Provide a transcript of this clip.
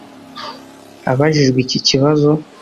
Abajijwe iki kibazo